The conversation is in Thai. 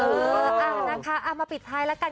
เออนะคะเอามาปิดท้ายแล้วกัน